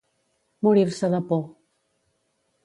Morir-se de por.